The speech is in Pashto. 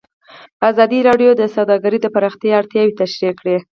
ازادي راډیو د سوداګري د پراختیا اړتیاوې تشریح کړي.